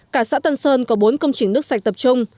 cả xã tân sơn có bốn công trình nước sạch tập trung